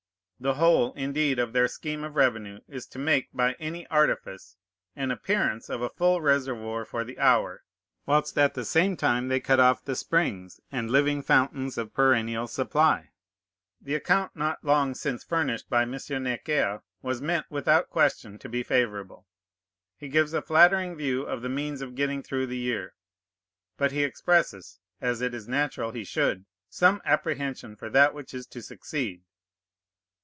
The whole, indeed, of their scheme of revenue is to make, by any artifice, an appearance of a full reservoir for the hour, whilst at the same time they cut off the springs and living fountains of perennial supply. The account not long since furnished by M. Necker was meant, without question, to be favorable. He gives a flattering view of the means of getting through the year; but he expresses, as it is natural he should, some apprehension for that which was to succeed.